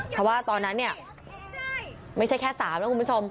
เพราะว่าตอนนั้นเนี่ยไม่ใช่แค่๓นะคุณผู้ชม